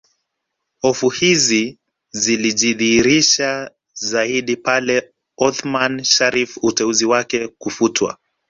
Hofu hizi zilijidhihirisha zaidi pale Othman Sharrif uteuzi wake kufutwa